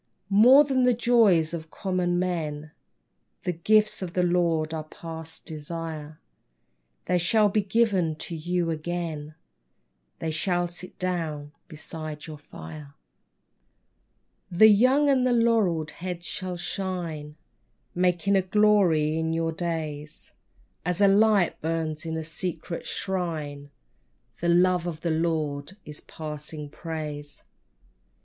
More than the joys of common men, The gifts of the Lord are past desire They shall be given to you again, They shall sit down beside your fire. TO TWO BEREAVED 45 The young and laurelled heads shall shine, Making a glory in your days As a light bums in a secret shrine : The Love of the Lord is passing praise.